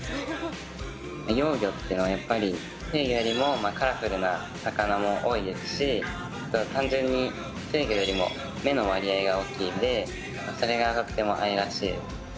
幼魚っていうのはやっぱり成魚よりもカラフルな魚も多いですし単純に成魚よりも目の割合が大きいんでそれがとっても愛らしい。